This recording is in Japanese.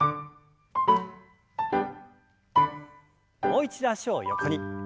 もう一度脚を横に。